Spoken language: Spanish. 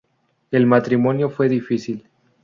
El matrimonio fue difícil.